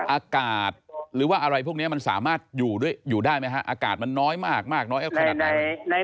อากาศหรือว่าอะไรพวกนี้มันสามารถอยู่ได้ไหมฮะอากาศมันน้อยมากน้อยขนาดไหน